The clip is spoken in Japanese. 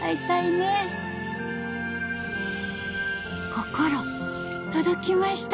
心届きました